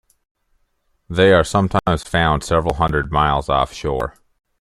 They are sometimes found several hundred miles off-shore.